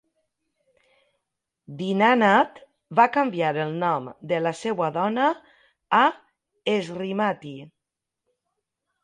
Dinanath va canviar el nom de la seva dona a "Shrimati".